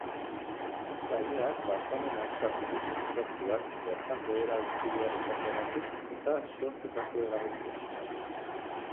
Taldeak barkamena eskatu du kontzertuak bertan behera utzi behar izateagatik eta sortutako eragozpenengatik.